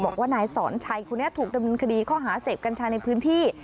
บอกว่านายสอนชัยคนนี้ถูกดำเนินคดีข้อหาเสพกัญชาในพื้นที่